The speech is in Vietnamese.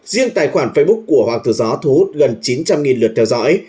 riêng tài khoản facebook của hoàng tử gió thu hút gần chín trăm linh lượt theo dõi